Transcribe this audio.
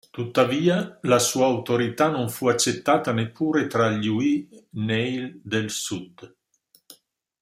Tuttavia, la sua autorità non fu accettata neppure tra gli Uí Néill del sud.